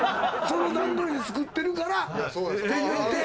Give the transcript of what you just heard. その段取りで作ってるからって。